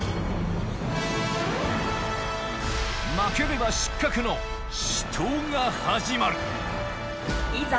負ければ失格の死闘が始まるいざ。